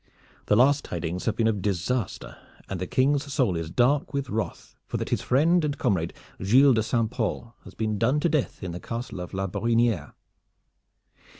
The last tidings have been of disaster, and the King's soul is dark with wrath for that his friend and comrade Gilles de St. Pol has been done to death in the Castle of La Brohiniere.